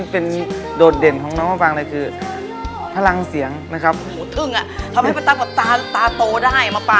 โปรดติดตามตอนต่อไป